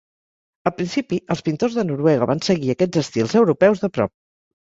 Al principi els pintors de Noruega van seguir aquests estils europeus de prop.